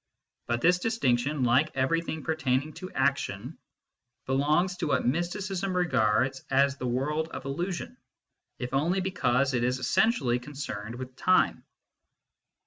But this distinction, like everything per taining to action, belongs to what mysticism regards as the world of illusion, if only because it is essentially concerned with time.